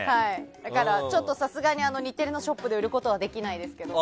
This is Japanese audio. だからさすがに日テレショップで売ることはできないですけど。